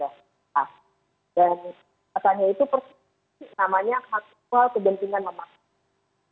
dan pasalnya itu persis namanya hak hak kebencian memaksa